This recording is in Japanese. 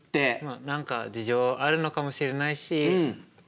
何か事情あるのかもしれないしま